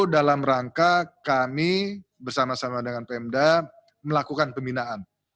dalam rangka kami bersama sama dengan pemda melakukan pembinaan